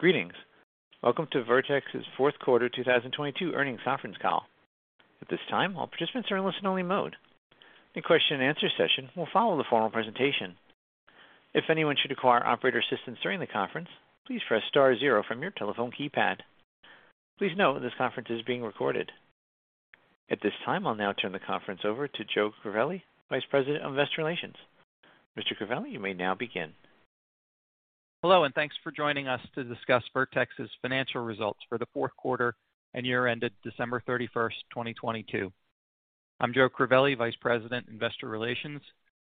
Greetings. Welcome to Vertex's fourth quarter 2022 earnings conference call. At this time, all participants are in listen-only mode. A question and answer session will follow the formal presentation. If anyone should require operator assistance during the conference, please press star zero from your telephone keypad. Please note this conference is being recorded. At this time, I'll now turn the conference over to Joe Crivelli, Vice President of Investor Relations. Mr. Crivelli, you may now begin. Hello, thanks for joining us to discuss Vertex's financial results for the fourth quarter and year ended December 31st, 2022. I'm Joe Crivelli, Vice President, Investor Relations.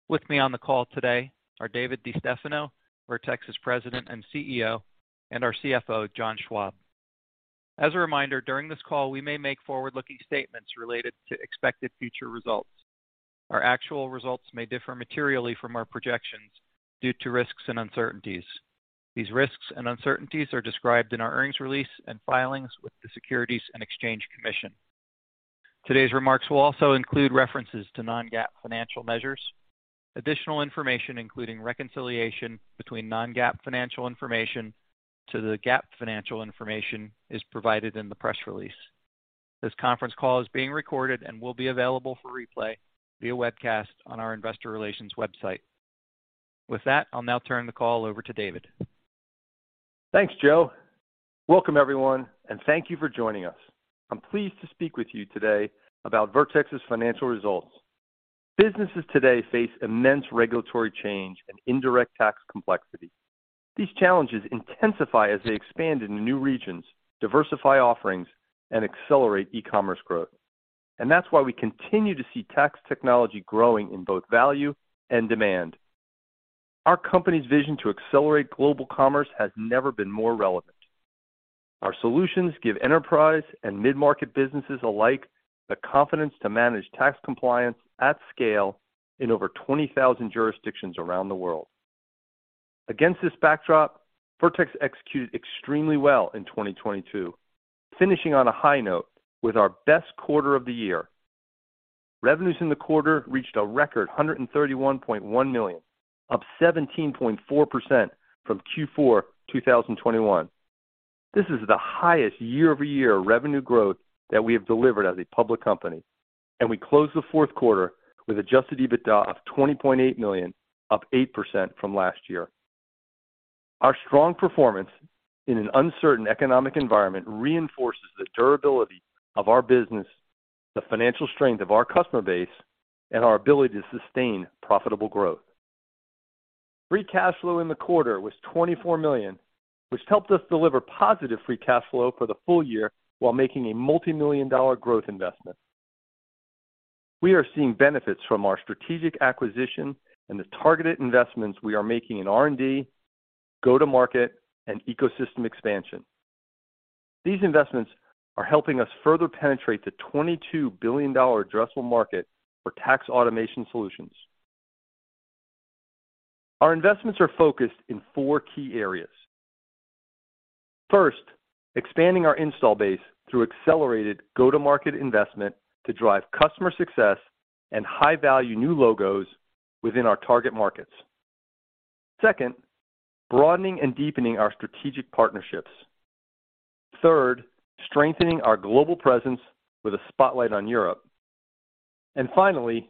With me on the call today are David DeStefano, Vertex's President and CEO, and our CFO, John Schwab. As a reminder, during this call, we may make forward-looking statements related to expected future results. Our actual results may differ materially from our projections due to risks and uncertainties. These risks and uncertainties are described in our earnings release and filings with the Securities and Exchange Commission. Today's remarks will also include references to non-GAAP financial measures. Additional information, including reconciliation between non-GAAP financial information to the GAAP financial information is provided in the press release. This conference call is being recorded and will be available for replay via webcast on our investor relations website. With that, I'll now turn the call over to David. Thanks, Joe. Welcome, everyone, thank you for joining us. I'm pleased to speak with you today about Vertex's financial results. Businesses today face immense regulatory change and indirect tax complexity. These challenges intensify as they expand into new regions, diversify offerings, and accelerate e-commerce growth. That's why we continue to see tax technology growing in both value and demand. Our company's vision to accelerate global commerce has never been more relevant. Our solutions give enterprise and mid-market businesses alike the confidence to manage tax compliance at scale in over 20,000 jurisdictions around the world. Against this backdrop, Vertex executed extremely well in 2022, finishing on a high note with our best quarter of the year. Revenues in the quarter reached a record $131.1 million, up 17.4% from Q4 2021. This is the highest year-over-year revenue growth that we have delivered as a public company. We closed the fourth quarter with Adjusted EBITDA of $20.8 million, up 8% from last year. Our strong performance in an uncertain economic environment reinforces the durability of our business, the financial strength of our customer base, and our ability to sustain profitable growth. Free cash flow in the quarter was $24 million, which helped us deliver positive free cash flow for the full year while making a multi-million dollar growth investment. We are seeing benefits from our strategic acquisition and the targeted investments we are making in R&D, go-to-market, and ecosystem expansion. These investments are helping us further penetrate the $22 billion addressable market for tax automation solutions. Our investments are focused in four key areas. First, expanding our install base through accelerated go-to-market investment to drive customer success and high-value new logos within our target markets. Second, broadening and deepening our strategic partnerships. Third, strengthening our global presence with a spotlight on Europe. Finally,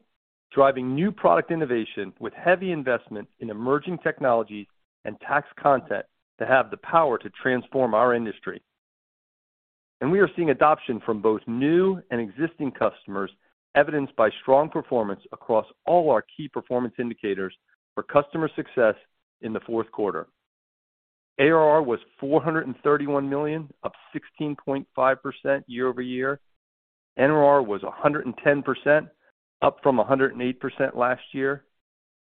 driving new product innovation with heavy investment in emerging technologies and tax content to have the power to transform our industry. We are seeing adoption from both new and existing customers, evidenced by strong performance across all our key performance indicators for customer success in the fourth quarter. ARR was $431 million, up 16.5% year-over-year. NRR was 110%, up from 108% last year.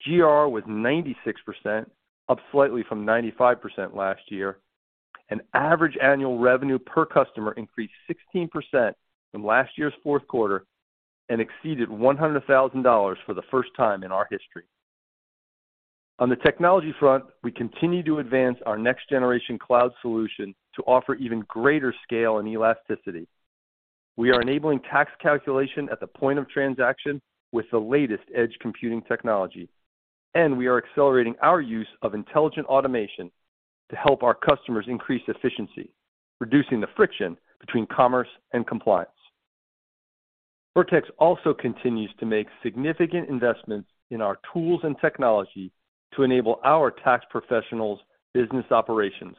GR was 96%, up slightly from 95% last year. Average annual revenue per customer increased 16% from last year's fourth quarter and exceeded $100,000 for the first time in our history. On the technology front, we continue to advance our next generation cloud solution to offer even greater scale and elasticity. We are enabling tax calculation at the point of transaction with the latest edge computing technology, and we are accelerating our use of intelligent automation to help our customers increase efficiency, reducing the friction between commerce and compliance. Vertex also continues to make significant investments in our tools and technology to enable our tax professionals' business operations.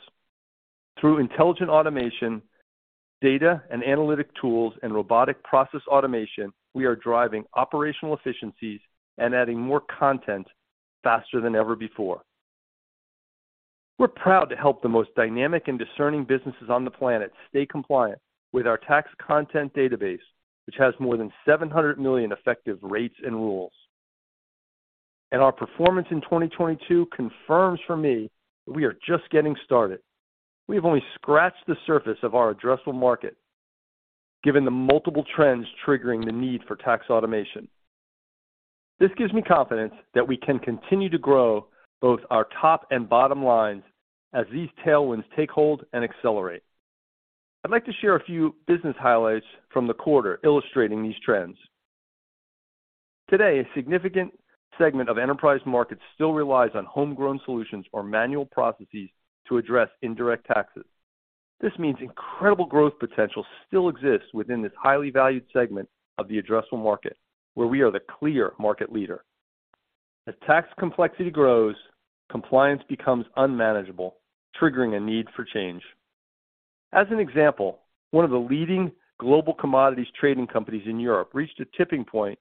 Through intelligent automation, data and analytic tools, and robotic process automation, we are driving operational efficiencies and adding more content faster than ever before. We're proud to help the most dynamic and discerning businesses on the planet stay compliant with our tax content database, which has more than 700 million effective rates and rules. Our performance in 2022 confirms for me that we are just getting started. We have only scratched the surface of our addressable market given the multiple trends triggering the need for tax automation. This gives me confidence that we can continue to grow both our top and bottom lines as these tailwinds take hold and accelerate. I'd like to share a few business highlights from the quarter illustrating these trends. Today, a significant segment of enterprise markets still relies on homegrown solutions or manual processes to address indirect taxes. This means incredible growth potential still exists within this highly valued segment of the addressable market, where we are the clear market leader. As tax complexity grows, compliance becomes unmanageable, triggering a need for change. As an example, one of the leading global commodities trading companies in Europe reached a tipping point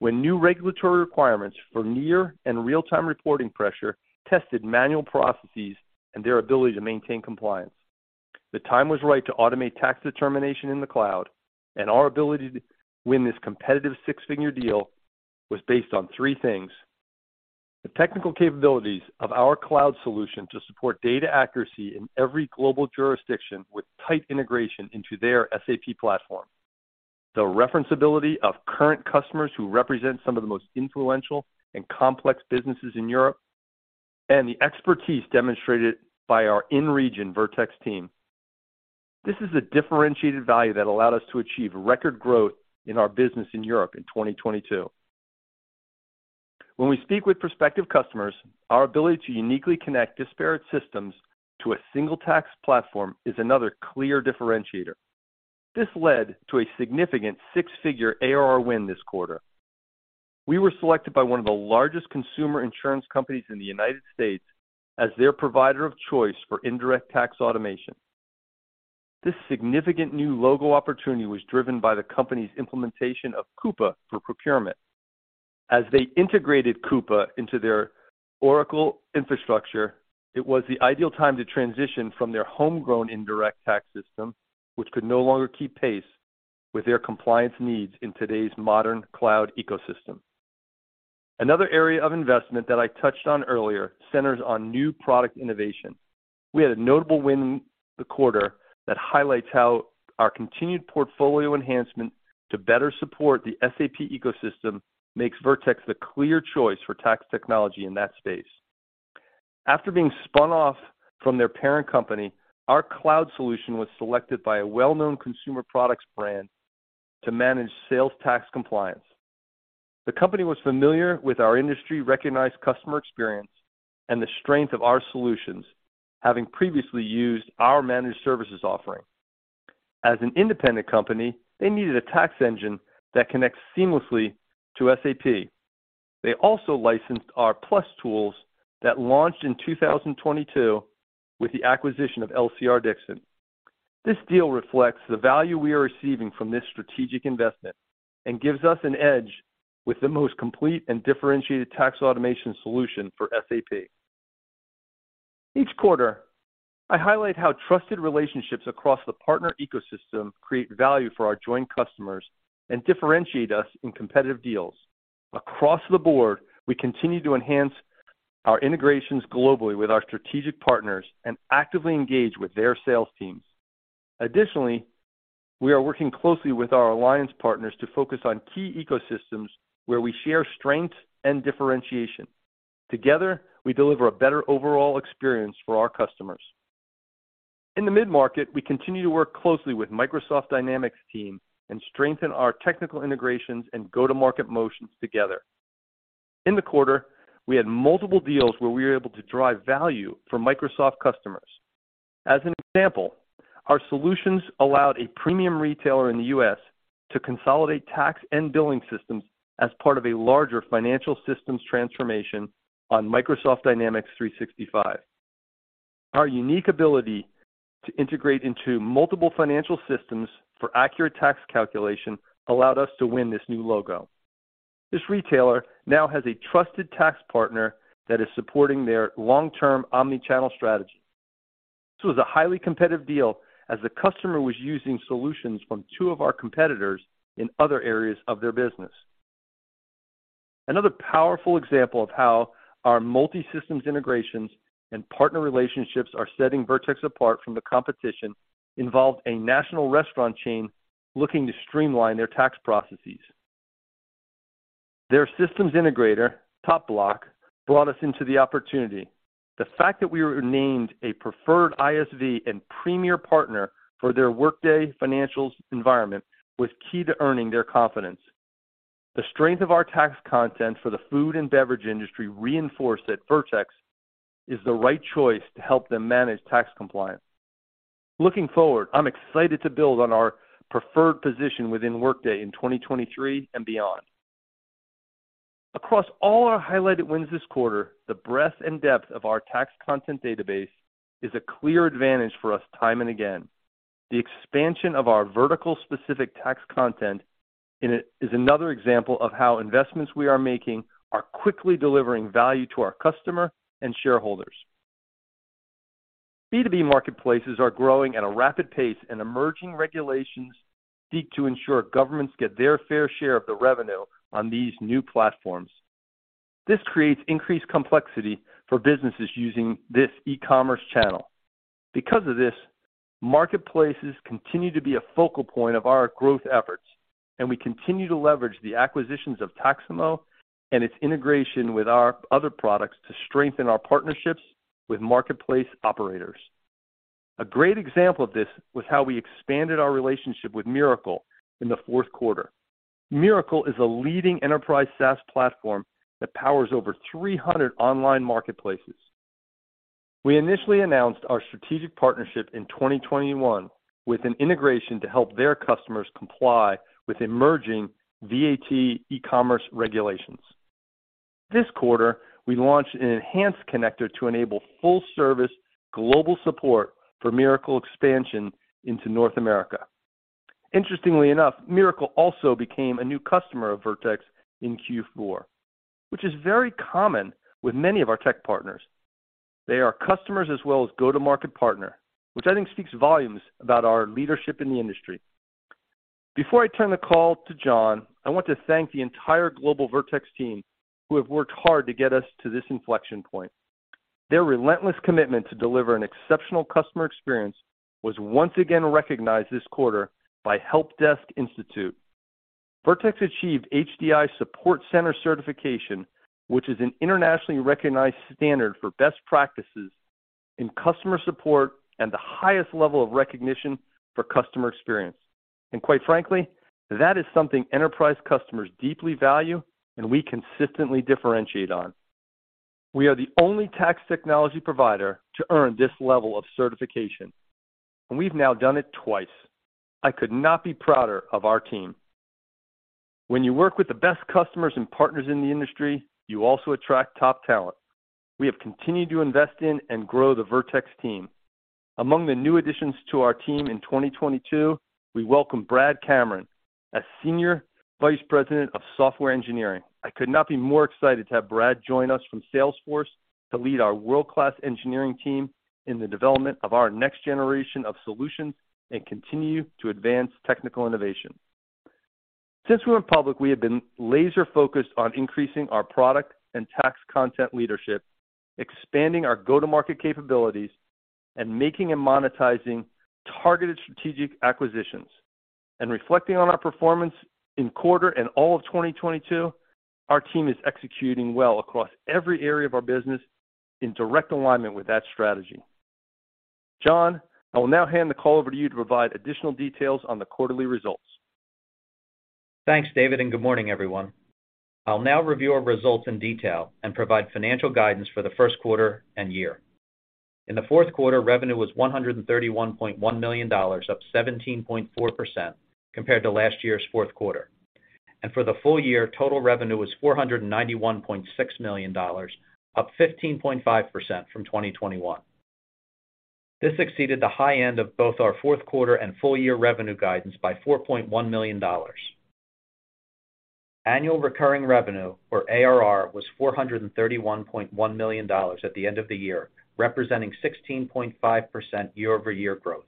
when new regulatory requirements for near and real-time reporting pressure tested manual processes and their ability to maintain compliance. The time was right to automate tax determination in the cloud, and our ability to win this competitive six-figure deal was based on three things: the technical capabilities of our cloud solution to support data accuracy in every global jurisdiction with tight integration into their SAP platform, the referenceability of current customers who represent some of the most influential and complex businesses in Europe, and the expertise demonstrated by our in-region Vertex team. This is a differentiated value that allowed us to achieve record growth in our business in Europe in 2022. When we speak with prospective customers, our ability to uniquely connect disparate systems to a single tax platform is another clear differentiator. This led to a significant six-figure ARR win this quarter. We were selected by one of the largest consumer insurance companies in the United States as their provider of choice for indirect tax automation. This significant new logo opportunity was driven by the company's implementation of Coupa Procurement. As they integrated Coupa into their Oracle infrastructure, it was the ideal time to transition from their homegrown indirect tax system, which could no longer keep pace with their compliance needs in today's modern cloud ecosystem. Another area of investment that I touched on earlier centers on new product innovation. We had a notable win the quarter that highlights how our continued portfolio enhancement to better support the SAP ecosystem makes Vertex the clear choice for tax technology in that space. After being spun off from their parent company, our cloud solution was selected by a well-known consumer products brand to manage sales tax compliance. The company was familiar with our industry-recognized customer experience and the strength of our solutions, having previously used our managed services offering. As an independent company, they needed a tax engine that connects seamlessly to SAP. They also licensed our PLUS Tools that launched in 2022 with the acquisition of LCR-Dixon. This deal reflects the value we are receiving from this strategic investment and gives us an edge with the most complete and differentiated tax automation solution for SAP. Each quarter, I highlight how trusted relationships across the partner ecosystem create value for our joint customers and differentiate us in competitive deals. Across the board, we continue to enhance our integrations globally with our strategic partners and actively engage with their sales teams. Additionally, we are working closely with our alliance partners to focus on key ecosystems where we share strengths and differentiation. Together, we deliver a better overall experience for our customers. In the mid-market, we continue to work closely with Microsoft Dynamics team and strengthen our technical integrations and go-to-market motions together. In the quarter, we had multiple deals where we were able to drive value for Microsoft customers. As an example, our solutions allowed a premium retailer in the US to consolidate tax and billing systems as part of a larger financial systems transformation on Microsoft Dynamics 365. Our unique ability to integrate into multiple financial systems for accurate tax calculation allowed us to win this new logo. This retailer now has a trusted tax partner that is supporting their long-term omni-channel strategy. This was a highly competitive deal as the customer was using solutions from two of our competitors in other areas of their business. Another powerful example of how our multi-systems integrations and partner relationships are setting Vertex apart from the competition involved a national restaurant chain looking to streamline their tax processes. Their systems integrator, TopBloc, brought us into the opportunity. The fact that we were named a preferred ISV and premier partner for their Workday financials environment was key to earning their confidence. The strength of our tax content for the food and beverage industry reinforced that Vertex is the right choice to help them manage tax compliance. Looking forward, I'm excited to build on our preferred position within Workday in 2023 and beyond. Across all our highlighted wins this quarter, the breadth and depth of our tax content database is a clear advantage for us time and again. The expansion of our vertical-specific tax content in it is another example of how investments we are making are quickly delivering value to our customer and shareholders. B2B marketplaces are growing at a rapid pace, and emerging regulations seek to ensure governments get their fair share of the revenue on these new platforms. This creates increased complexity for businesses using this e-commerce channel. Because of this, marketplaces continue to be a focal point of our growth efforts, and we continue to leverage the acquisitions of Taxamo and its integration with our other products to strengthen our partnerships with marketplace operators. A great example of this was how we expanded our relationship with Mirakl in the fourth quarter. Mirakl is a leading enterprise SaaS platform that powers over 300 online marketplaces. We initially announced our strategic partnership in 2021 with an integration to help their customers comply with emerging VAT e-commerce regulations. This quarter, we launched an enhanced connector to enable full service global support for Mirakl expansion into North America. Interestingly enough, Mirakl also became a new customer of Vertex in Q4, which is very common with many of our tech partners. They are customers as well as go-to-market partner, which I think speaks volumes about our leadership in the industry. Before I turn the call to John, I want to thank the entire global Vertex team who have worked hard to get us to this inflection point. Their relentless commitment to deliver an exceptional customer experience was once again recognized this quarter by Help Desk Institute. Vertex achieved HDI support center certification, which is an internationally recognized standard for best practices in customer support and the highest level of recognition for customer experience. Quite frankly, that is something enterprise customers deeply value, and we consistently differentiate on. We are the only tax technology provider to earn this level of certification, and we've now done it twice. I could not be prouder of our team. When you work with the best customers and partners in the industry, you also attract top talent. We have continued to invest in and grow the Vertex team. Among the new additions to our team in 2022, we welcome Brad Cameron as Senior Vice President of Software Engineering. I could not be more excited to have Brad join us from Salesforce to lead our world-class engineering team in the development of our next generation of solutions and continue to advance technical innovation. Reflecting on our performance in quarter and all of 2022, our team is executing well across every area of our business in direct alignment with that strategy. John, I will now hand the call over to you to provide additional details on the quarterly results. Thanks, David, and good morning everyone. I'll now review our results in detail and provide financial guidance for the first quarter and year. In the fourth quarter, revenue was $131.1 million, up 17.4% compared to last year's fourth quarter. For the full year, total revenue was $491.6 million, up 15.5% from 2021. This exceeded the high end of both our fourth quarter and full year revenue guidance by $4.1 million. Annual recurring revenue, or ARR, was $431.1 million at the end of the year, representing 16.5% year-over-year growth.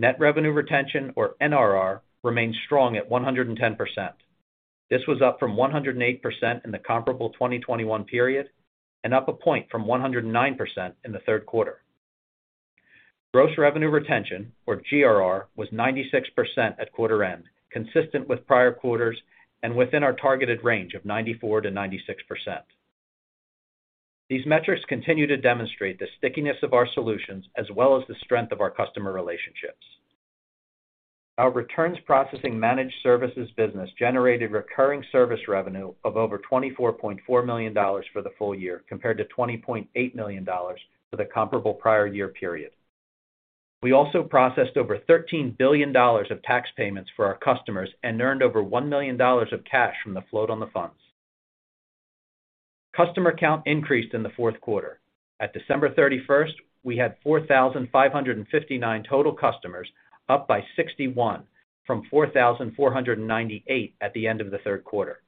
Net revenue retention, or NRR, remained strong at 110%. This was up from 108% in the comparable 2021 period, and up a point from 109% in the third quarter. Gross revenue retention, or GRR, was 96% at quarter end, consistent with prior quarters and within our targeted range of 94%-96%. These metrics continue to demonstrate the stickiness of our solutions as well as the strength of our customer relationships. Our returns processing managed services business generated recurring service revenue of over $24.4 million for the full year, compared to $20.8 million for the comparable prior year period. We also processed over $13 billion of tax payments for our customers and earned over $1 million of cash from the float on the funds. Customer count increased in the fourth quarter. At December 31st, we had 4,559 total customers, up by 61 from 4,498 at the end of the third quarter.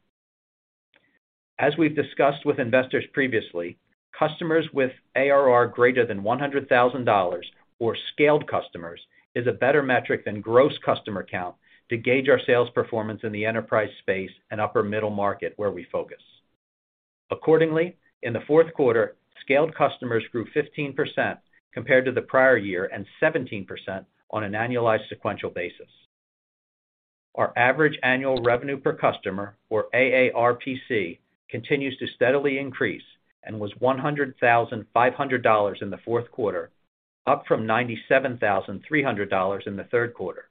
As we've discussed with investors previously, customers with ARR greater than $100,000 or scaled customers is a better metric than gross customer count to gauge our sales performance in the enterprise space and upper middle market where we focus. Accordingly, in the fourth quarter, scaled customers grew 15% compared to the prior year and 17% on an annualized sequential basis. Our average annual revenue per customer, or AARPC, continues to steadily increase and was $100,500 in the fourth quarter, up from $97,300 in the third quarter.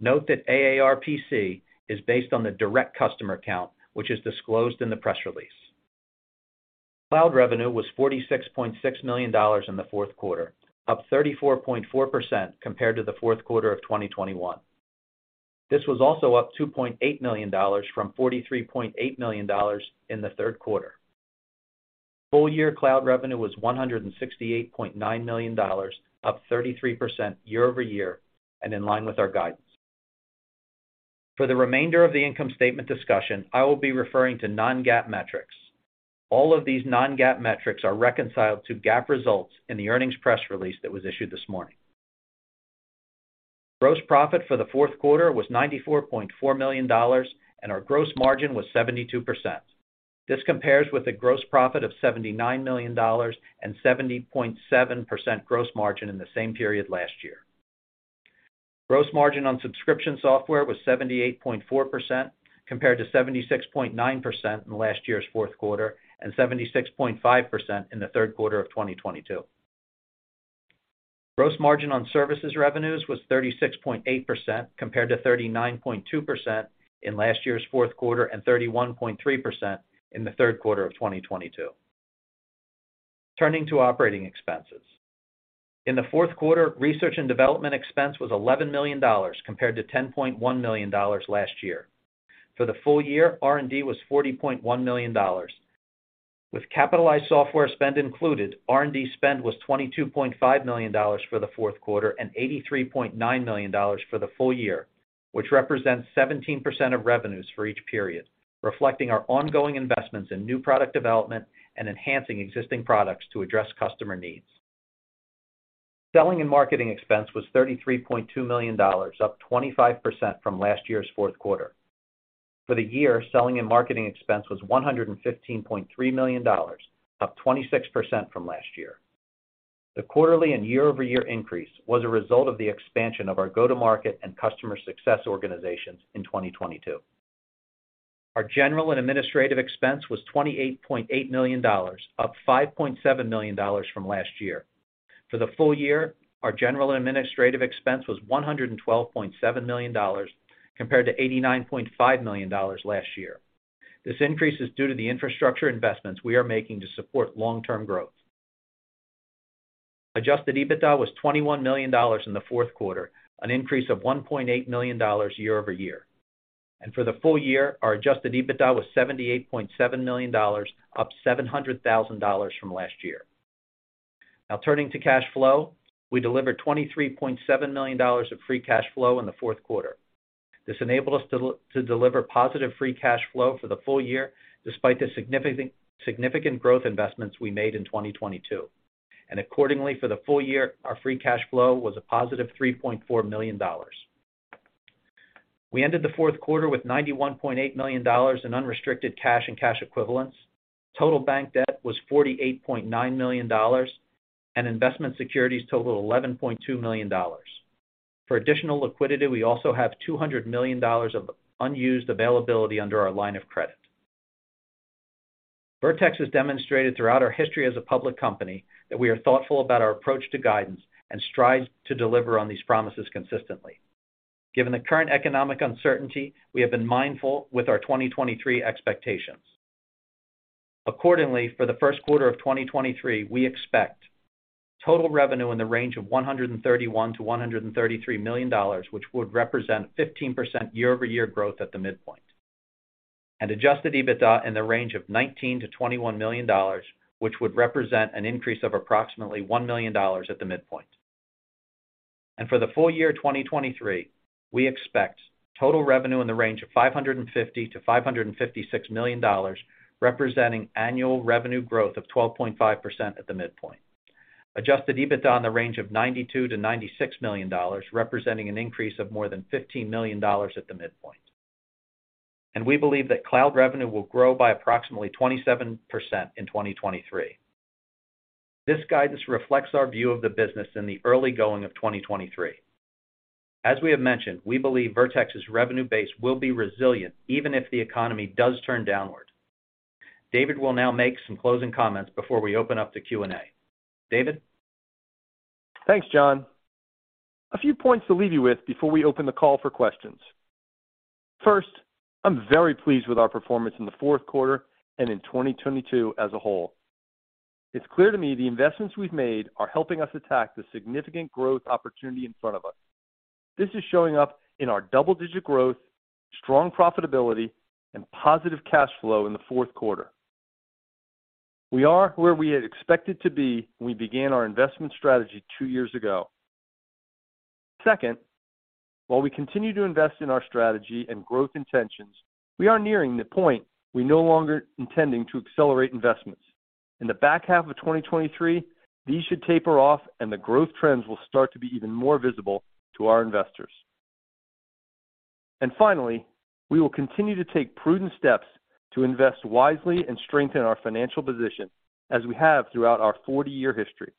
Note that AARPC is based on the direct customer count, which is disclosed in the press release. Cloud Revenue was $46.6 million in the fourth quarter, up 34.4% compared to the fourth quarter of 2021. This was also up $2.8 million from $43.8 million in the third quarter. Full year Cloud Revenue was $168.9 million, up 33% year-over-year and in line with our guidance. For the remainder of the income statement discussion, I will be referring to non-GAAP metrics. All of these non-GAAP metrics are reconciled to GAAP results in the earnings press release that was issued this morning. Gross profit for the fourth quarter was $94.4 million, and our gross margin was 72%. This compares with a gross profit of $79 million and 70.7% gross margin in the same period last year. Gross margin on subscription software was 78.4% compared to 76.9% in last year's fourth quarter and 76.5% in the third quarter of 2022. Gross margin on services revenues was 36.8% compared to 39.2% in last year's fourth quarter and 31.3% in the third quarter of 2022. Turning to operating expenses. In the fourth quarter, research and development expense was $11 million compared to $10.1 million last year. For the full year, R&D was $40.1 million. With capitalized software spend included, R&D spend was $22.5 million for the fourth quarter and $83.9 million for the full year, which represents 17% of revenues for each period, reflecting our ongoing investments in new product development and enhancing existing products to address customer needs. Selling and marketing expense was $33.2 million, up 25% from last year's fourth quarter. For the year, selling and marketing expense was $115.3 million, up 26% from last year. The quarterly and year-over-year increase was a result of the expansion of our go-to-market and customer success organizations in 2022. Our general and administrative expense was $28.8 million, up $5.7 million from last year. For the full year, our general and administrative expense was $112.7 million compared to $89.5 million last year. This increase is due to the infrastructure investments we are making to support long-term growth. Adjusted EBITDA was $21 million in the fourth quarter, an increase of $1.8 million year-over-year. For the full year, our Adjusted EBITDA was $78.7 million, up $700,000 from last year. Now turning to cash flow. We delivered $23.7 million of free cash flow in the fourth quarter. This enabled us to deliver positive free cash flow for the full year, despite the significant growth investments we made in 2022. Accordingly, for the full year, our free cash flow was a positive $3.4 million. We ended the fourth quarter with $91.8 million in unrestricted cash and cash equivalents. Total bank debt was $48.9 million, and investment securities totaled $11.2 million. For additional liquidity, we also have $200 million of unused availability under our line of credit. Vertex has demonstrated throughout our history as a public company that we are thoughtful about our approach to guidance and strive to deliver on these promises consistently. Given the current economic uncertainty, we have been mindful with our 2023 expectations. Accordingly, for the first quarter of 2023, we expect total revenue in the range of $131 million-$133 million, which would represent 15% year-over-year growth at the midpoint. Adjusted EBITDA in the range of $19 million-$21 million, which would represent an increase of approximately $1 million at the midpoint. For the full year 2023, we expect total revenue in the range of $550 million-$556 million, representing annual revenue growth of 12.5% at the midpoint. Adjusted EBITDA in the range of $92 million-$96 million, representing an increase of more than $15 million at the midpoint. We believe that Cloud Revenue will grow by approximately 27% in 2023. This guidance reflects our view of the business in the early going of 2023. As we have mentioned, we believe Vertex's revenue base will be resilient even if the economy does turn downward. David will now make some closing comments before we open up to Q&A. David? Thanks, John. A few points to leave you with before we open the call for questions. First, I'm very pleased with our performance in the fourth quarter and in 2022 as a whole. It's clear to me the investments we've made are helping us attack the significant growth opportunity in front of us. This is showing up in our double-digit growth, strong profitability, and positive cash flow in the fourth quarter. We are where we had expected to be when we began our investment strategy two years ago. Second, while we continue to invest in our strategy and growth intentions, we are nearing the point we're no longer intending to accelerate investments. In the back half of 2023, these should taper off, and the growth trends will start to be even more visible to our investors. Finally, we will continue to take prudent steps to invest wisely and strengthen our financial position as we have throughout our 40-year history.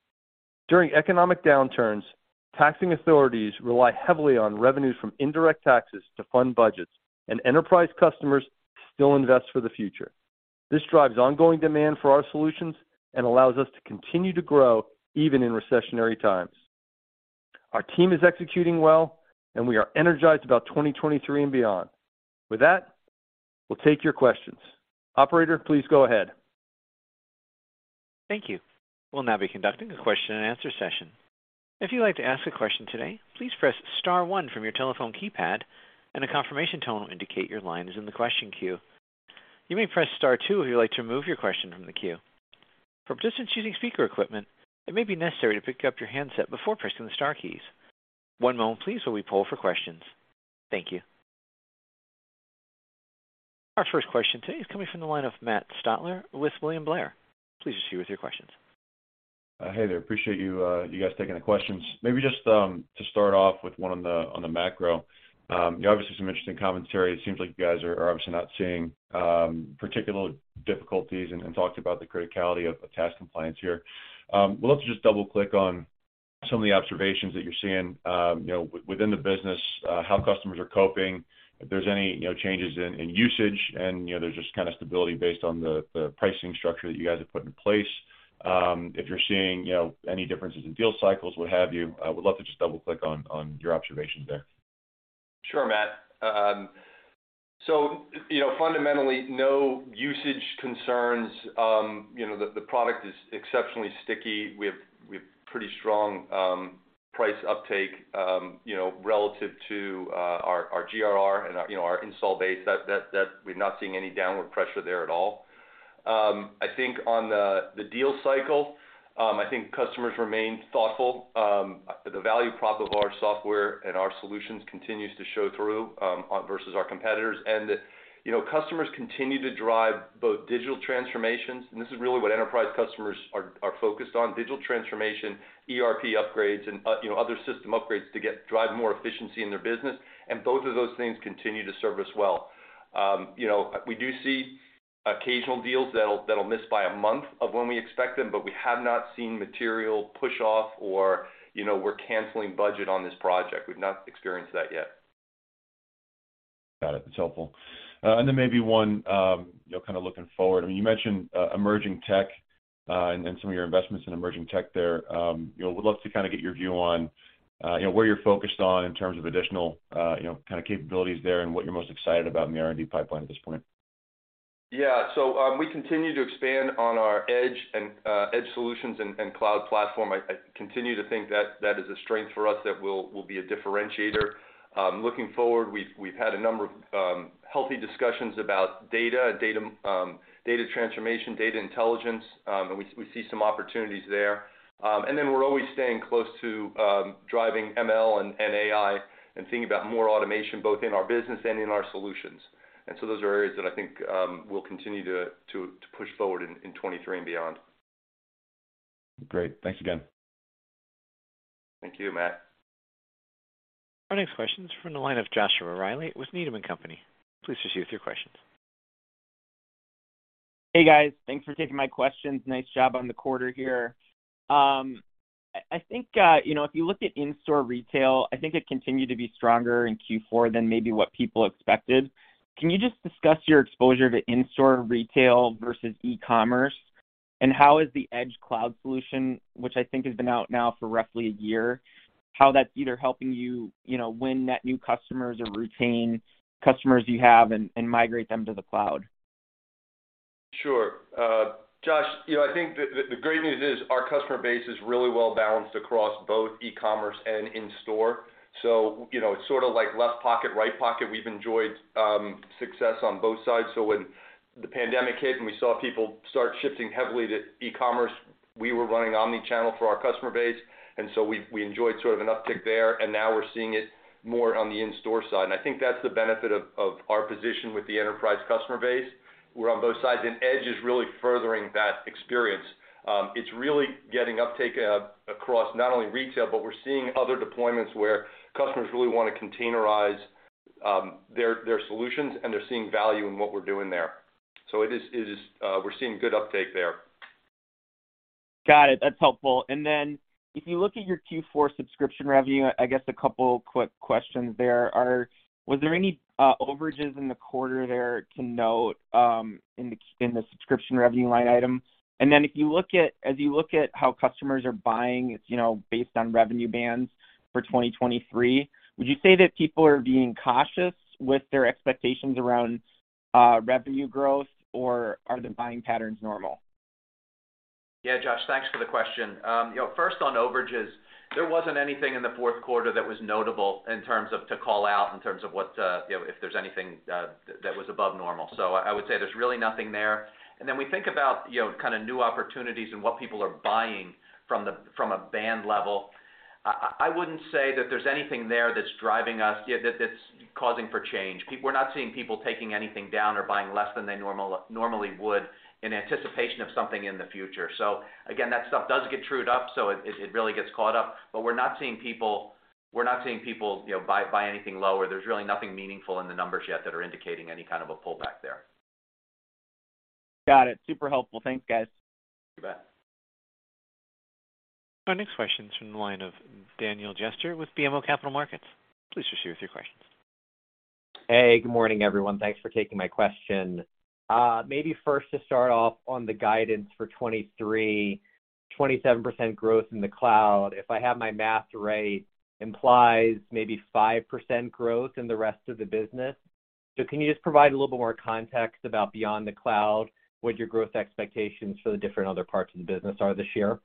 During economic downturns, taxing authorities rely heavily on revenues from indirect taxes to fund budgets, and enterprise customers still invest for the future. This drives ongoing demand for our solutions and allows us to continue to grow even in recessionary times. Our team is executing well, and we are energized about 2023 and beyond. With that, we'll take your questions. Operator, please go ahead. Thank you. We'll now be conducting a question-and-answer session. If you'd like to ask a question today, please press star one from your telephone keypad and a confirmation tone will indicate your line is in the question queue. You may press star two if you'd like to remove your question from the queue. For participants using speaker equipment, it may be necessary to pick up your handset before pressing the star keys. One moment please while we poll for questions. Thank you. Our first question today is coming from the line of Matt Stotler with William Blair. Please proceed with your questions. Hey there. Appreciate you guys taking the questions. Maybe just to start off with one on the, on the macro. Obviously some interesting commentary. It seems like you guys are obviously not seeing, particular difficulties and talked about the criticality of tax compliance here. Would love to just double-click on some of the observations that you're seeing, you know, within the business, how customers are coping, if there's any, you know, changes in usage, and, you know, there's just kinda stability based on the pricing structure that you guys have put in place. If you're seeing, you know, any differences in deal cycles, what have you, I would love to just double-click on your observations there. Sure, Matt. You know, fundamentally, no usage concerns. You know, the product is exceptionally sticky. We have pretty strong price uptake, you know, relative to our GRR and our, you know, our install base. That we're not seeing any downward pressure there at all. I think on the deal cycle, I think customers remain thoughtful. The value prop of our software and our solutions continues to show through, on versus our competitors. You know, customers continue to drive both digital transformations, and this is really what enterprise customers are focused on, digital transformation, ERP upgrades, and, you know, other system upgrades to drive more efficiency in their business, and both of those things continue to serve us well. You know, we do see occasional deals that'll miss by a month of when we expect them, but we have not seen material push off or, you know, we're canceling budget on this project. We've not experienced that yet. Got it. That's helpful. Maybe one, you know, kinda looking forward. I mean, you mentioned emerging tech, and some of your investments in emerging tech there. You know, would love to kinda get your view on, you know, where you're focused on in terms of additional, you know, kinda capabilities there and what you're most excited about in the R&D pipeline at this point. Yeah. We continue to expand on our edge and edge solutions and cloud platform. I continue to think that that is a strength for us that will be a differentiator. Looking forward, we've had a number of healthy discussions about data transformation, data intelligence, and we see some opportunities there. Then we're always staying close to driving ML and AI and thinking about more automation, both in our business and in our solutions. So those are areas that I think we'll continue to push forward in 2023 and beyond. Great. Thanks again. Thank you, Matt. Our next question is from the line of Joshua Reilly with Needham & Company. Please proceed with your questions. Hey, guys. Thanks for taking my questions. Nice job on the quarter here. I think, you know, if you look at in-store retail, I think it continued to be stronger in Q4 than maybe what people expected. Can you just discuss your exposure to in-store retail versus e-commerce, and how is the Edge Cloud Solution, which I think has been out now for roughly a year, how that's either helping you know, win net new customers or retain customers you have and migrate them to the cloud? Sure. Josh, you know, I think the great news is our customer base is really well-balanced across both e-commerce and in-store. You know, it's sorta like left pocket, right pocket. We've enjoyed success on both sides. When the pandemic hit, and we saw people start shifting heavily to e-commerce, we were running omni-channel for our customer base, and so we enjoyed sort of an uptick there, and now we're seeing it more on the in-store side. I think that's the benefit of our position with the enterprise customer base. We're on both sides, and Edge is really furthering that experience. It's really getting uptake across not only retail, but we're seeing other deployments where customers really wanna containerize their solutions, and they're seeing value in what we're doing there. It is, we're seeing good uptake there. Got it. That's helpful. If you look at your Q4 subscription revenue, I guess a couple quick questions there are, was there any overages in the quarter there to note in the subscription revenue line item? If you look at, as you look at how customers are buying, it's, you know, based on revenue bands for 2023, would you say that people are being cautious with their expectations around revenue growth, or are the buying patterns normal? Yeah, Josh, thanks for the question. You know, first on overages, there wasn't anything in the fourth quarter that was notable in terms of to call out in terms of what, you know, if there's anything that was above normal. I would say there's really nothing there. Then we think about, you know, kind of new opportunities and what people are buying from a band level. I wouldn't say that there's anything there that's driving us, that's causing for change. We're not seeing people taking anything down or buying less than they normally would in anticipation of something in the future. Again, that stuff does get trued up, so it really gets caught up. We're not seeing people, you know, buy anything lower. There's really nothing meaningful in the numbers yet that are indicating any kind of a pullback there. Got it. Super helpful. Thanks, guys. You bet. Our next question is from the line of Daniel Jester with BMO Capital Markets. Please proceed with your questions. Hey, good morning, everyone. Thanks for taking my question. Maybe first to start off on the guidance for 2023, 27% growth in the cloud, if I have my math right, implies maybe 5% growth in the rest of the business. Can you just provide a little more context about beyond the cloud, what your growth expectations for the different other parts of the business are this year?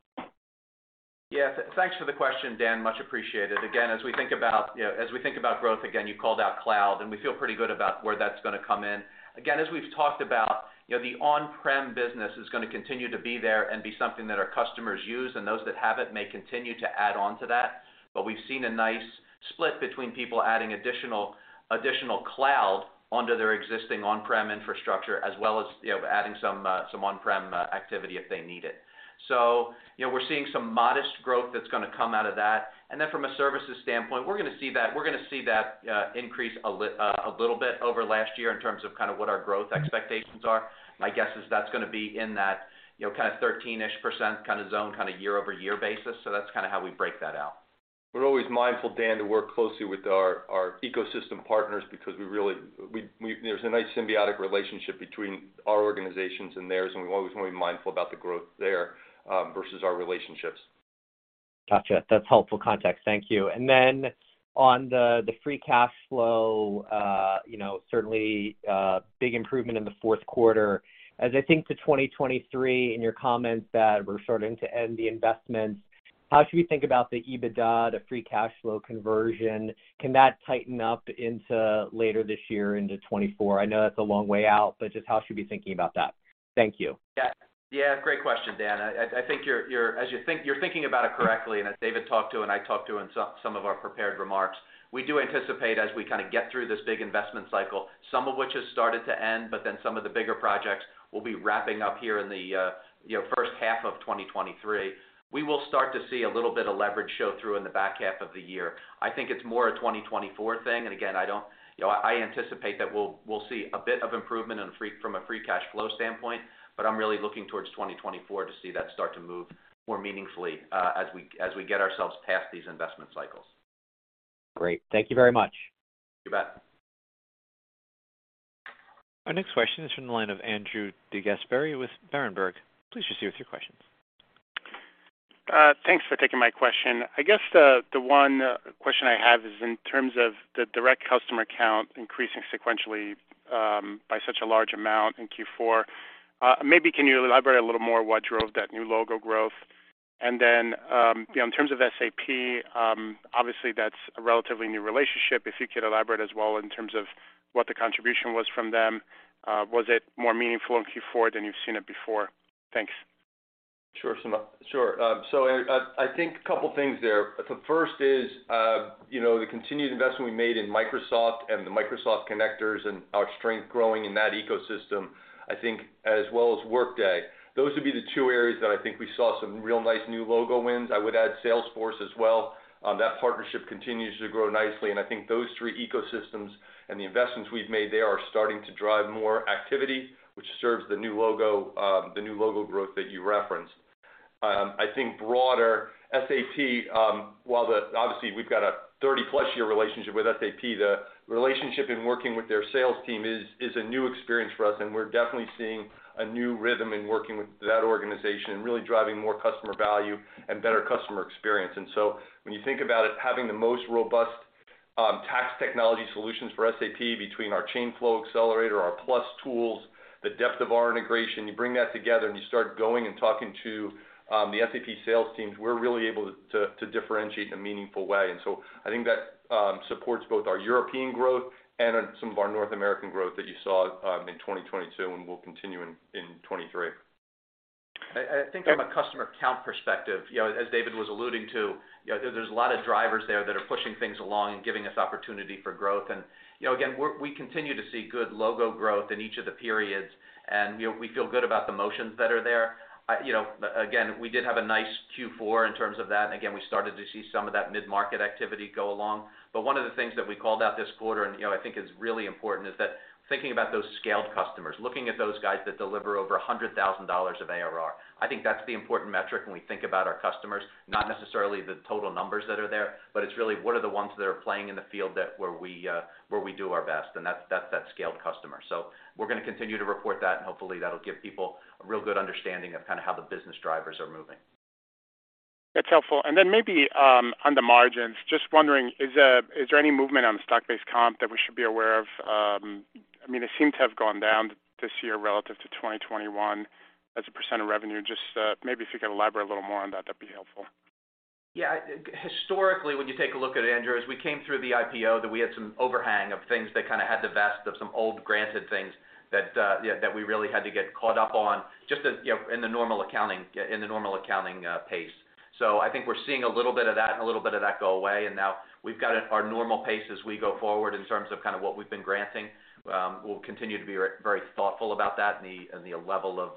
Yeah. Thanks for the question, Daniel. Much appreciated. As we think about, you know, as we think about growth, again, you called out cloud, and we feel pretty good about where that's gonna come in. As we've talked about, you know, the on-prem business is gonna continue to be there and be something that our customers use, and those that have it may continue to add on to that. We've seen a nice split between people adding additional cloud onto their existing on-prem infrastructure, as well as, you know, adding some on-prem activity if they need it. You know, we're seeing some modest growth that's gonna come out of that. From a services standpoint, we're gonna see that, we're gonna see that increase a little bit over last year in terms of kind of what our growth expectations are. My guess is that's gonna be in that, you know, kinda 13-ish% kinda zone, kinda year-over-year basis. That's kinda how we break that out. We're always mindful, Dan, to work closely with our ecosystem partners because we really there's a nice symbiotic relationship between our organizations and theirs, and we always wanna be mindful about the growth there versus our relationships. Gotcha. That's helpful context. Thank you. On the free cash flow, you know, certainly, big improvement in the fourth quarter. As I think to 2023 in your comments that we're starting to end the investments, how should we think about the EBITDA, the free cash flow conversion? Can that tighten up into later this year into 2024? I know that's a long way out, but just how should we be thinking about that? Thank you. Yeah, great question, Daniel. I think you're thinking about it correctly. As David talked to and I talked to in some of our prepared remarks, we do anticipate as we kind of get through this big investment cycle, some of which has started to end, but then some of the bigger projects will be wrapping up here in the, you know, first half of 2023. We will start to see a little bit of leverage show through in the back half of the year. I think it's more a 2024 thing, and again, I don't... You know, I anticipate that we'll see a bit of improvement from a free cash flow standpoint, but I'm really looking towards 2024 to see that start to move more meaningfully, as we get ourselves past these investment cycles. Great. Thank you very much. You bet. Our next question is from the line of Andrew DeGasperi with Berenberg. Please proceed with your questions. Thanks for taking my question. I guess the one question I have is in terms of the direct customer count increasing sequentially by such a large amount in Q4. Maybe can you elaborate a little more what drove that new logo growth? Then, you know, in terms of SAP, obviously, that's a relatively new relationship. If you could elaborate as well in terms of what the contribution was from them, was it more meaningful in Q4 than you've seen it before? Thanks. Sure, Sam. Sure. I think a couple things there. The first is, you know, the continued investment we made in Microsoft and the Microsoft connectors and our strength growing in that ecosystem, I think, as well as Workday. Those would be the two areas that I think we saw some real nice new logo wins. I would add Salesforce as well. That partnership continues to grow nicely, and I think those three ecosystems and the investments we've made there are starting to drive more activity, which serves the new logo, the new logo growth that you referenced. I think broader SAP, while obviously, we've got a 30-plus year relationship with SAP, the relationship in working with their sales team is a new experience for us, and we're definitely seeing a new rhythm in working with that organization and really driving more customer value and better customer experience. When you think about it, having the most robust tax technology solutions for SAP between our Chain Flow Accelerator, our PLUS Tools, the depth of our integration, you bring that together, and you start going and talking to the SAP sales teams, we're really able to differentiate in a meaningful way. I think that supports both our European growth and on some of our North American growth that you saw in 2022, and will continue in 2023. I think from a customer count perspective, you know, as David was alluding to, you know, there's a lot of drivers there that are pushing things along and giving us opportunity for growth. You know, again, we continue to see good logo growth in each of the periods, and, you know, we feel good about the motions that are there. You know, again, we did have a nice Q4 in terms of that. Again, we started to see some of that mid-market activity go along. One of the things that we called out this quarter, and, you know, I think is really important, is that thinking about those scaled customers, looking at those guys that deliver over $100,000 of ARR, I think that's the important metric when we think about our customers, not necessarily the total numbers that are there, but it's really what are the ones that are playing in the field that where we do our best, and that's that scaled customer. We're gonna continue to report that, and hopefully, that'll give people a real good understanding of kinda how the business drivers are moving. That's helpful. Then maybe, on the margins, just wondering, is there any movement on the stock-based comp that we should be aware of? I mean, it seemed to have gone down this year relative to 2021 as a % of revenue. Just maybe if you could elaborate a little more on that'd be helpful. Yeah. Historically, when you take a look at it, Andrew, as we came through the IPO, that we had some overhang of things that kinda had the vest of some old granted things that, yeah, that we really had to get caught up on just as, you know, in the normal accounting pace. I think we're seeing a little bit of that and a little bit of that go away, and now we've got at our normal pace as we go forward in terms of kinda what we've been granting. We'll continue to be very thoughtful about that and the level of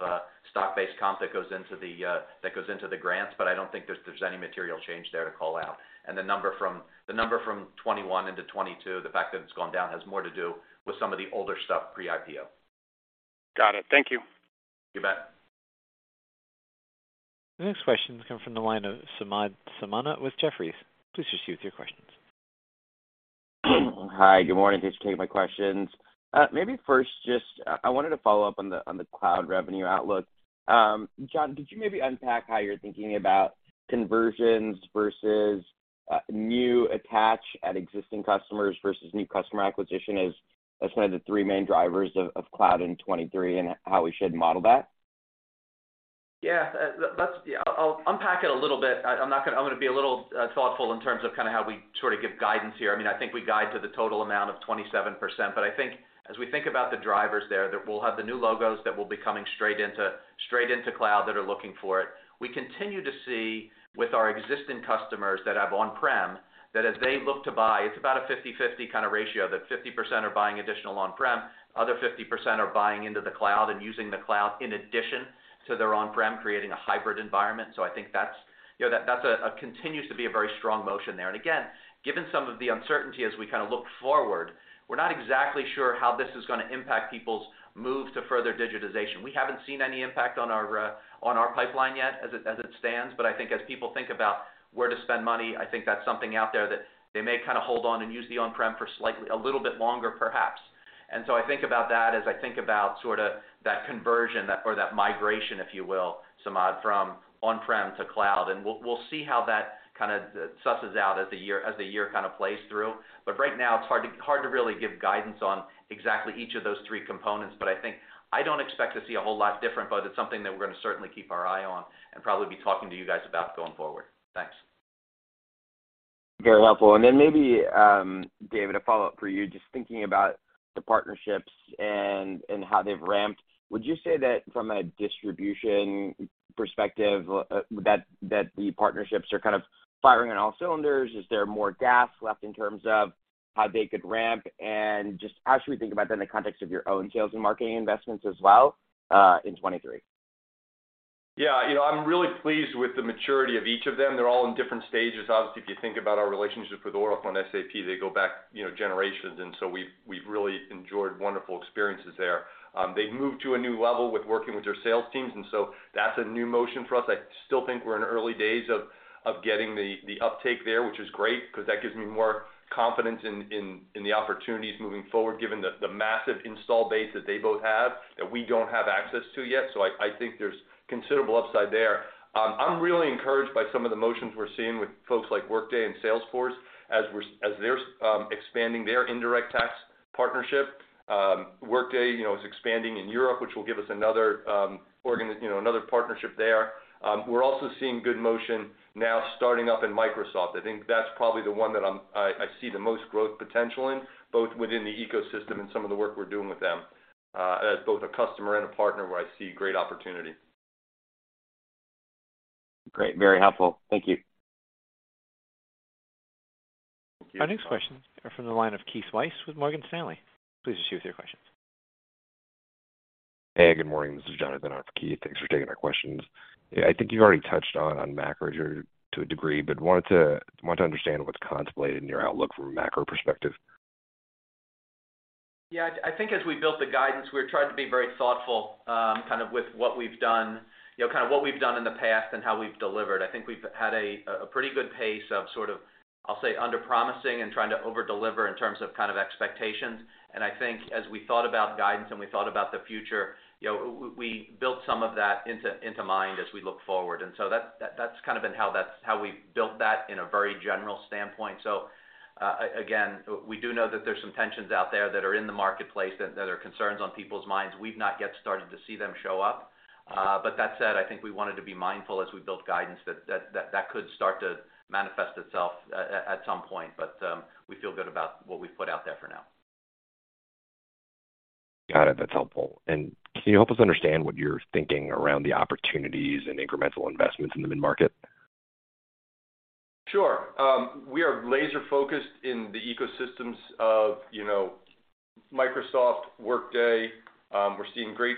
stock-based comp that goes into the grants, but I don't think there's any material change there to call out. The number from 21 into 22, the fact that it's gone down has more to do with some of the older stuff pre-IPO. Got it. Thank you. You bet. The next question come from the line of Samad Samana with Jefferies. Please proceed with your questions. Hi, good morning. Thanks for taking my questions. Maybe first, just, I wanted to follow up on the, on the Cloud Revenue outlook. John, could you maybe unpack how you're thinking about conversions versus, new attach at existing customers versus new customer acquisition as kind of the three main drivers of cloud in 2023 and how we should model that? I'll unpack it a little bit. I'm gonna be a little thoughtful in terms of kinda how we sorta give guidance here. I mean, I think we guide to the total amount of 27%, but I think as we think about the drivers there, that we'll have the new logos that will be coming straight into, straight into cloud that are looking for it. We continue to see with our existing customers that have on-prem, that as they look to buy, it's about a 50/50 kinda ratio, that 50% are buying additional on-prem, other 50% are buying into the cloud and using the cloud in addition to their on-prem, creating a hybrid environment. I think that's, you know, that's a continues to be a very strong motion there. Given some of the uncertainty as we kinda look forward, we're not exactly sure how this is gonna impact people's move to further digitization. We haven't seen any impact on our pipeline yet as it stands, but I think as people think about where to spend money, I think that's something out there that they may kinda hold on and use the on-prem for slightly a little bit longer, perhaps. I think about that as I think about sort of that conversion or that migration, if you will, Samad, from on-prem to cloud. We'll see how that kind of susses out as the year kind of plays through. But right now, it's hard to really give guidance on exactly each of those three components. I think I don't expect to see a whole lot different, but it's something that we're going to certainly keep our eye on and probably be talking to you guys about going forward. Thanks. Very helpful. Maybe, David, a follow-up for you, just thinking about the partnerships and how they've ramped. Would you say that from a distribution perspective that the partnerships are kind of firing on all cylinders? Is there more gas left in terms of how they could ramp? Just how should we think about that in the context of your own sales and marketing investments as well in 2023? Yeah. You know, I'm really pleased with the maturity of each of them. They're all in different stages. Obviously, if you think about our relationship with Oracle and SAP, they go back, you know, generations. We've, we've really enjoyed wonderful experiences there. They've moved to a new level with working with their sales teams, that's a new motion for us. I still think we're in early days of getting the uptake there, which is great 'cause that gives me more confidence in the opportunities moving forward, given the massive install base that they both have that we don't have access to yet. I think there's considerable upside there. I'm really encouraged by some of the motions we're seeing with folks like Workday and Salesforce as they're expanding their indirect tax partnership. Workday, you know, is expanding in Europe, which will give us another, you know, another partnership there. We're also seeing good motion now starting up in Microsoft. I think that's probably the one that I see the most growth potential in, both within the ecosystem and some of the work we're doing with them, as both a customer and a partner where I see great opportunity. Great. Very helpful. Thank you. Our next questions are from the line of Keith Weiss with Morgan Stanley. Please proceed with your questions. Hey, good morning. This is Jonathan on for Keith. Thanks for taking our questions. I think you already touched on macro here to a degree, but want to understand what's contemplated in your outlook from a macro perspective. Yeah. I think as we built the guidance, we tried to be very thoughtful, kind of with what we've done, you know, kind of what we've done in the past and how we've delivered. I think we've had a pretty good pace of sort of, I'll say, underpromising and trying to overdeliver in terms of kind of expectations. I think as we thought about guidance and we thought about the future, you know, we built some of that into mind as we look forward. That's kind of been how we built that in a very general standpoint. Again, we do know that there's some tensions out there that are in the marketplace, that there are concerns on people's minds. We've not yet started to see them show up. That said, I think we wanted to be mindful as we built guidance that could start to manifest itself at some point. We feel good about what we've put out there for now. Got it. That's helpful. Can you help us understand what you're thinking around the opportunities and incremental investments in the mid-market? Sure. We are laser-focused in the ecosystems of, you know, Microsoft, Workday. We're seeing great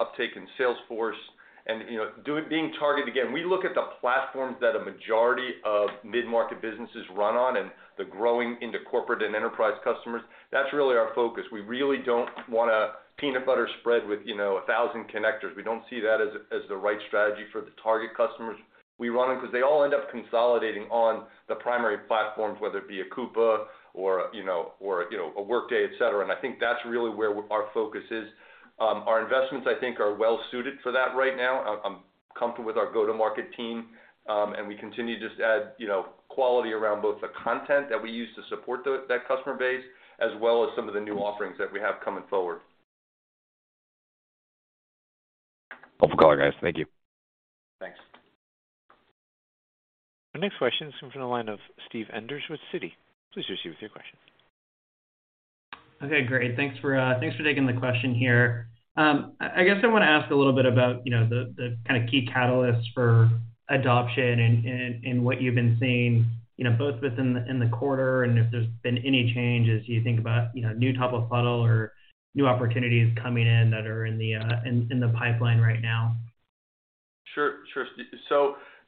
uptake in Salesforce. You know, being targeted, again, we look at the platforms that a majority of mid-market businesses run on and the growing into corporate and enterprise customers. That's really our focus. We really don't wanna peanut butter spread with, you know, 1,000 connectors. We don't see that as the right strategy for the target customers we run on 'cause they all end up consolidating on the primary platforms, whether it be a Coupa or a Workday, et cetera. I think that's really where our focus is. Our investments, I think, are well suited for that right now. I'm comfortable with our go-to-market team, and we continue to just add, you know, quality around both the content that we use to support that customer base, as well as some of the new offerings that we have coming forward. Helpful color, guys. Thank you. Thanks. Our next question comes from the line of Steven Enders with Citi. Please proceed with your question. Okay, great. Thanks for, thanks for taking the question here. I guess I wanna ask a little bit about, you know, the kind of key catalysts for adoption and what you've been seeing, you know, both within the quarter and if there's been any changes you think about, you know, new top of funnel or new opportunities coming in that are in the pipeline right now. Sure, sure.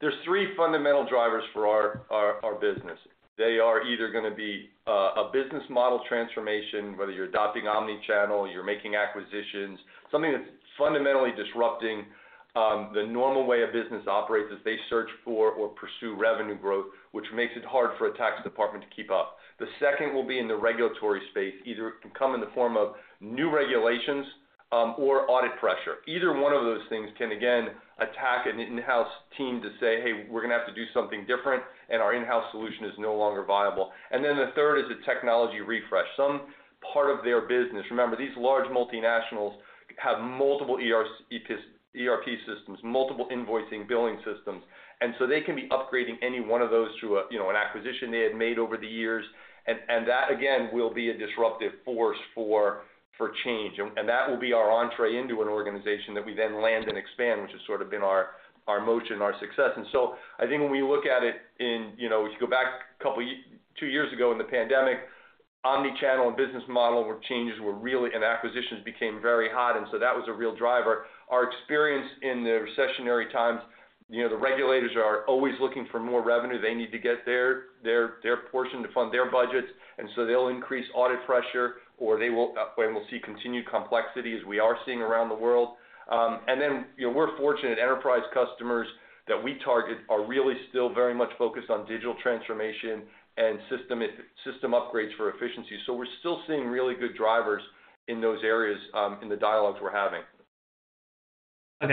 There's three fundamental drivers for our business. They are either gonna be a business model transformation, whether you're adopting omni-channel, you're making acquisitions, something that's fundamentally disrupting the normal way a business operates as they search for or pursue revenue growth, which makes it hard for a tax department to keep up. The second will be in the regulatory space. Either it can come in the form of new regulations or audit pressure. Either one of those things can, again, attack an in-house team to say, "Hey, we're gonna have to do something different, and our in-house solution is no longer viable." The third is a technology refresh. Some part of their business... Remember, these large multinationals have multiple ERP systems, multiple invoicing, billing systems, they can be upgrading any one of those through a, you know, an acquisition they had made over the years. That, again, will be a disruptive force for change. That will be our entrée into an organization that we then land and expand, which has sort of been our motion, our success. I think when we look at it in, you know, if you go back two years ago in the pandemic, omni-channel and business model were changes were really, and acquisitions became very hot, that was a real driver. Our experience in the recessionary times, you know, the regulators are always looking for more revenue. They need to get their portion to fund their budgets. They'll increase audit pressure or they will. We'll see continued complexity as we are seeing around the world. You know, we're fortunate enterprise customers that we target are really still very much focused on digital transformation and system upgrades for efficiency. We're still seeing really good drivers in those areas in the dialogues we're having. I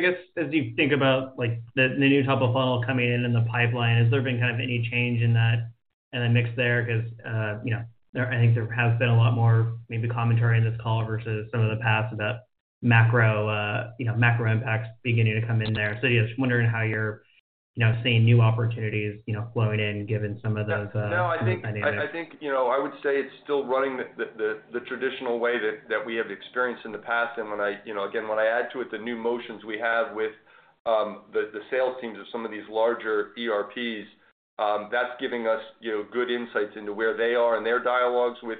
guess as you think about like the new type of funnel coming in the pipeline, has there been kind of any change in that and the mix there? 'Cause, you know, I think there has been a lot more maybe commentary on this call versus some of the past about macro, you know, macro impacts beginning to come in there. Yeah, just wondering how you're, you know, seeing new opportunities, you know, flowing in, given some of those, some of those dynamics. No, I think, you know, I would say it's still running the traditional way that we have experienced in the past. When I, you know, again, when I add to it the new motions we have with the sales teams of some of these larger ERPs, that's giving us, you know, good insights into where they are in their dialogues with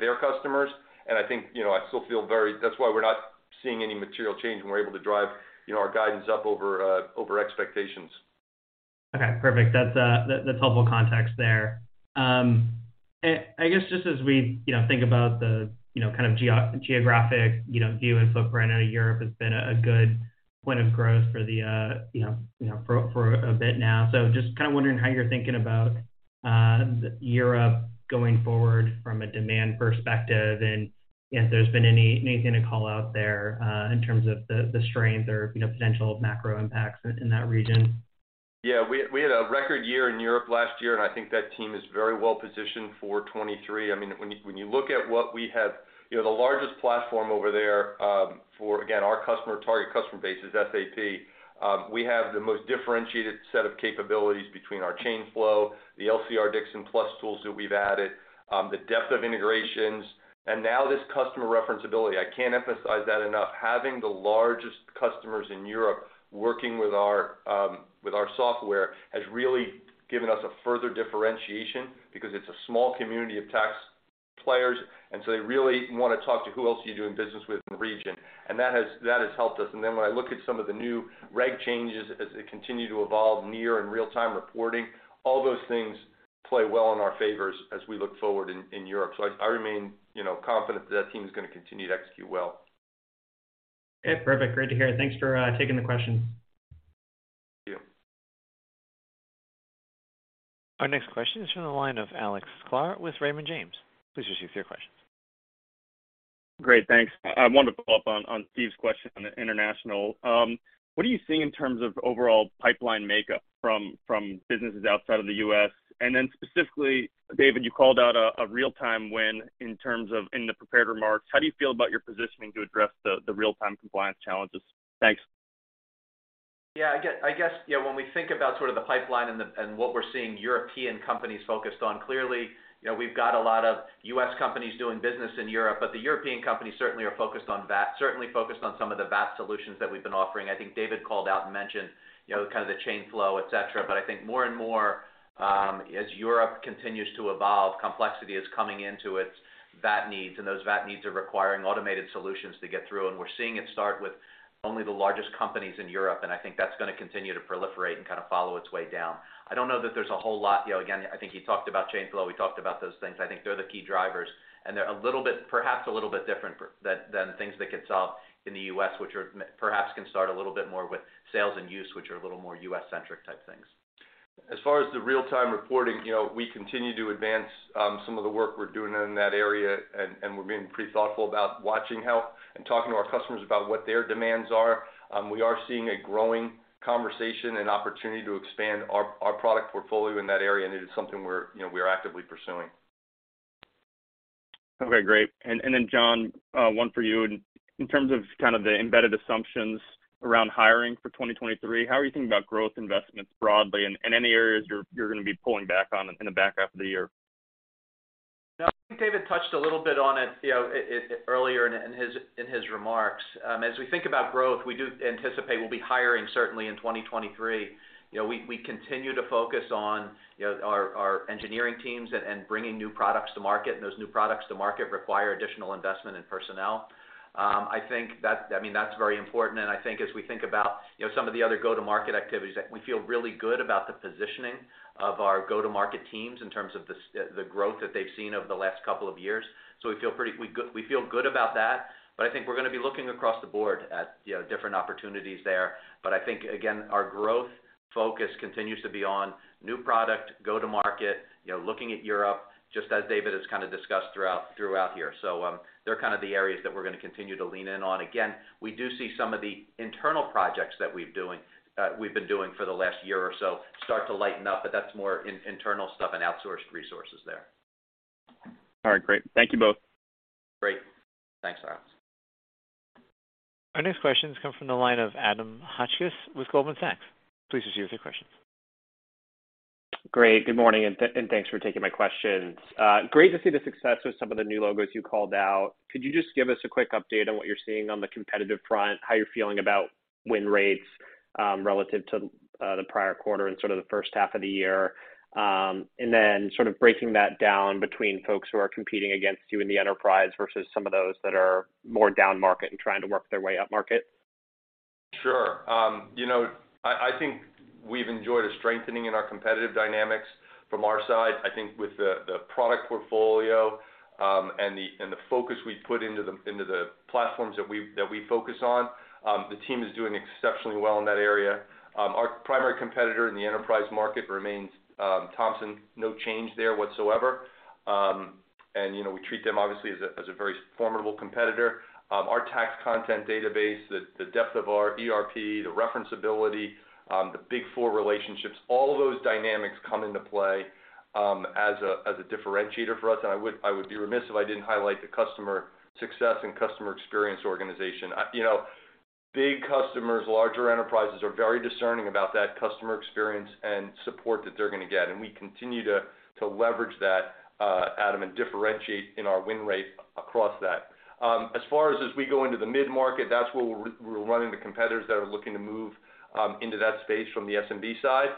their customers. I think, you know, I still feel very. That's why we're not seeing any material change, and we're able to drive, you know, our guidance up over expectations. Okay, perfect. That's helpful context there. I guess just as we, you know, think about the, you know, kind of geo-geographic, you know, view and footprint, I know Europe has been a good point of growth for a bit now. Just kind of wondering how you're thinking about Europe going forward from a demand perspective, and if there's been any, anything to call out there, in terms of the strength or, you know, potential macro impacts in that region. Yeah. We had a record year in Europe last year, I think that team is very well positioned for 2023. I mean, when you look at what we have, you know, the largest platform over there, for, again, our customer target customer base is SAP. We have the most differentiated set of capabilities between our Chain Flow, the LCR-Dixon PLUS Tools that we've added, the depth of integrations, now this customer reference ability. I can't emphasize that enough. Having the largest customers in Europe working with our software has really given us a further differentiation because it's a small community of tax players, so they really wanna talk to who else you're doing business with in the region. That has helped us. When I look at some of the new reg changes as they continue to evolve near and real-time reporting, all those things play well in our favors as we look forward in Europe. I remain, you know, confident that team is gonna continue to execute well. Okay. Perfect. Great to hear. Thanks for taking the question. Thank you. Our next question is from the line of Alex Sklar with Raymond James. Please proceed with your questions. Great. Thanks. I want to follow up on Steve's question on international. What are you seeing in terms of overall pipeline makeup from businesses outside of the U.S.? Then specifically, David, you called out a real-time win in terms of in the prepared remarks. How do you feel about your positioning to address the real-time compliance challenges? Thanks. Yeah. I guess, you know, when we think about sort of the pipeline and what we're seeing European companies focused on, clearly, you know, we've got a lot of US companies doing business in Europe, but the European companies certainly are focused on VAT, certainly focused on some of the VAT solutions that we've been offering. I think David called out and mentioned, you know, kind of the Chain Flow, et cetera. I think more and more, as Europe continues to evolve, complexity is coming into its VAT needs, and those VAT needs are requiring automated solutions to get through. We're seeing it start with only the largest companies in Europe, and I think that's gonna continue to proliferate and kinda follow its way down. I don't know that there's a whole lot. You know, again, I think he talked about Chain Flow. We talked about those things. I think they're the key drivers, and they're a little bit perhaps a little bit different than things that get solved in the U.S., which are perhaps can start a little bit more with sales and use, which are a little more U.S.-centric type things. As far as the real-time reporting, you know, we continue to advance some of the work we're doing in that area, and we're being pretty thoughtful about watching health and talking to our customers about what their demands are. We are seeing a growing conversation and opportunity to expand our product portfolio in that area, and it is something we're, you know, we are actively pursuing. Okay. Great. John, one for you. In terms of kind of the embedded assumptions around hiring for 2023, how are you thinking about growth investments broadly and any areas you're gonna be pulling back on in the back half of the year? No. I think David touched a little bit on it, you know, earlier in his, in his remarks. As we think about growth, we do anticipate we'll be hiring certainly in 2023. You know, we continue to focus on, you know, our engineering teams and bringing new products to market. Those new products to market require additional investment in personnel. I mean, that's very important. I think as we think about, you know, some of the other go-to-market activities, that we feel really good about the positioning of our go-to-market teams in terms of the growth that they've seen over the last couple of years. We feel pretty, we feel good about that, but I think we're gonna be looking across the board at, you know, different opportunities there. I think, again, our growth focus continues to be on new product, go to market, you know, looking at Europe, just as David has kinda discussed throughout here. They're kind of the areas that we're gonna continue to lean in on. Again, we do see some of the internal projects that we've been doing for the last year or so start to lighten up, but that's more in-internal stuff and outsourced resources there. All right. Great. Thank you both. Great. Thanks, Alex. Our next question comes from the line of Adam Hotchkiss with Goldman Sachs. Please proceed with your question. Great. Good morning, and thanks for taking my questions. Great to see the success with some of the new logos you called out. Could you just give us a quick update on what you're seeing on the competitive front, how you're feeling about win rates, relative to the prior quarter and sort of the first half of the year, and then sort of breaking that down between folks who are competing against you in the enterprise versus some of those that are more down market and trying to work their way up market? Sure. You know, I think we've enjoyed a strengthening in our competitive dynamics from our side. I think with the product portfolio, and the focus we put into the platforms that we focus on, the team is doing exceptionally well in that area. Our primary competitor in the enterprise market remains Thomson Reuters. No change there whatsoever. You know, we treat them obviously as a very formidable competitor. Our tax content database, the depth of our ERP, the reference ability, the Big Four relationships, all of those dynamics come into play as a differentiator for us. I would be remiss if I didn't highlight the customer success and customer experience organization. you know, big customers, larger enterprises are very discerning about that customer experience and support that they're gonna get, and we continue to leverage that, Adam, and differentiate in our win rate across that. As far as we go into the mid-market, that's where we're running the competitors that are looking to move into that space from the SMB side.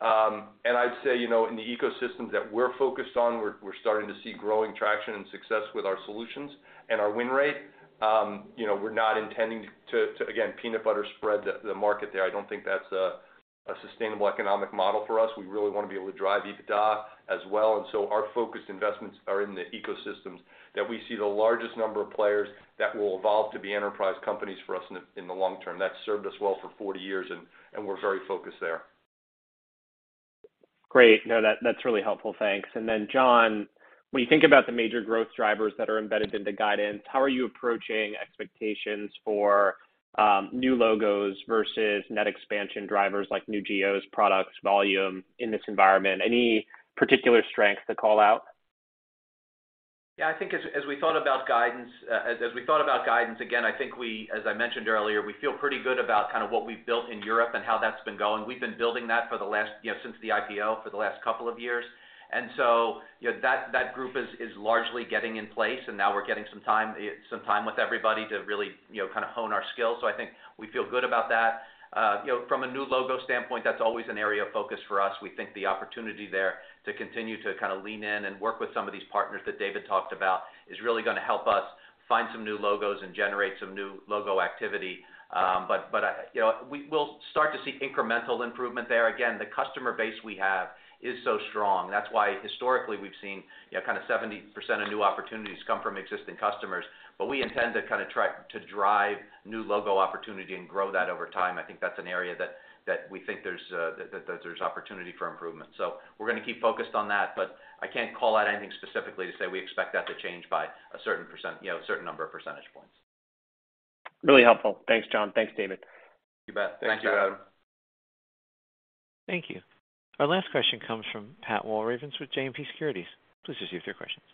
I'd say, you know, in the ecosystems that we're focused on, we're starting to see growing traction and success with our solutions and our win rate. You know, we're not intending to again, peanut butter spread the market there. I don't think that's a sustainable economic model for us. We really wanna be able to drive EBITDA as well. Our focused investments are in the ecosystems that we see the largest number of players that will evolve to be enterprise companies for us in the long term. That's served us well for 40 years, and we're very focused there. Great. No, that's really helpful. Thanks. John, when you think about the major growth drivers that are embedded into guidance, how are you approaching expectations for new logos versus net expansion drivers like new geos, products, volume in this environment? Any particular strength to call out? Yeah, I think as we thought about guidance, as we thought about guidance, again, I think as I mentioned earlier, we feel pretty good about kind of what we've built in Europe and how that's been going. We've been building that for the last, you know, since the IPO for the last couple of years. you know, that group is largely getting in place, and now we're getting some time with everybody to really, you know, kind of hone our skills. I think we feel good about that. you know, from a new logo standpoint, that's always an area of focus for us. We think the opportunity there to continue to kind of lean in and work with some of these partners that David talked about is really gonna help us find some new logos and generate some new logo activity. We'll start to see incremental improvement there. Again, the customer base we have is so strong. That's why historically we've seen, you know, kind of 70% of new opportunities come from existing customers. We intend to kind of try to drive new logo opportunity and grow that over time. I think that's an area that we think there's that there's opportunity for improvement. We're gonna keep focused on that. I can't call out anything specifically to say we expect that to change by a certain %, you know, a certain number of percentage points. Really helpful. Thanks, John. Thanks, David. You bet. Thank you, Adam. Thank you. Our last question comes from Patrick Walravens with JMP Securities. Please proceed with your questions.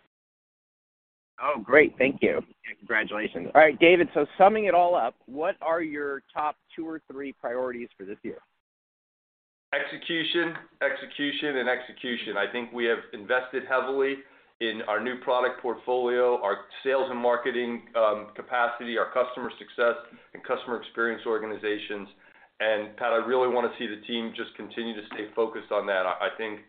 Oh, great. Thank you. Congratulations. David, summing it all up, what are your top two or three priorities for this year? Execution, execution, and execution. I think we have invested heavily in our new product portfolio, our sales and marketing, capacity, our customer success and customer experience organizations. Pat, I really wanna see the team just continue to stay focused on that. I think,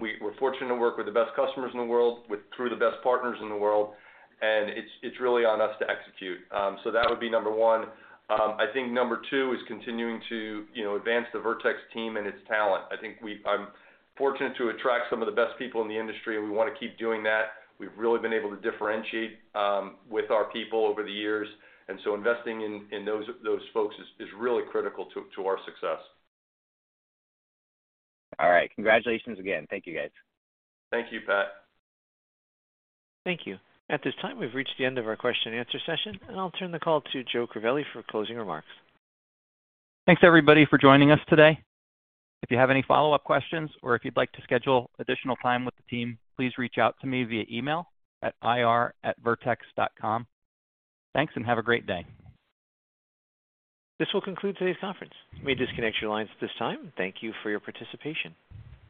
we're fortunate to work with the best customers in the world, through the best partners in the world, and it's really on us to execute. That would be number one. I think number two is continuing to, you know, advance the Vertex team and its talent. I think I'm fortunate to attract some of the best people in the industry, and we wanna keep doing that. We've really been able to differentiate, with our people over the years, investing in those folks is really critical to our success. All right. Congratulations again. Thank you, guys. Thank you, Pat. Thank you. At this time, we've reached the end of our question and answer session. I'll turn the call to Joe Crivelli for closing remarks. Thanks, everybody, for joining us today. If you have any follow-up questions or if you'd like to schedule additional time with the team, please reach out to me via email at ir@vertex.com. Thanks. Have a great day. This will conclude today's conference. You may disconnect your lines at this time. Thank you for your participation.